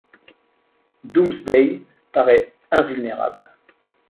Doomsday paraît invulnérable.